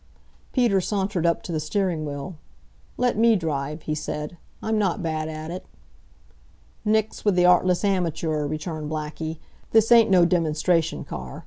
Peter sauntered up to the steering wheel. "Let me drive," he said. "I'm not bad at it." "Nix with the artless amateur," returned Blackie. "This ain't no demonstration car.